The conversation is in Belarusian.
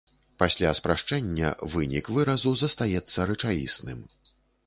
Пасля спрашчэння вынік выразу застаецца рэчаісным.